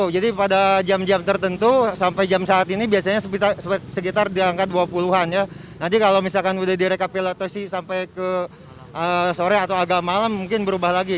jadi kalau misalkan sudah direkapilatasi sampai ke sore atau agak malam mungkin berubah lagi